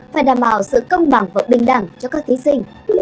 phải đảm bảo sự công bằng và bình đẳng cho các thí sinh